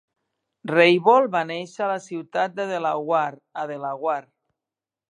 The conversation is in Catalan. Reybold va néixer a la ciutat de Delaware, a Delaware.